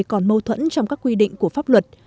còn mâu thuẫn trong các quy định của pháp luật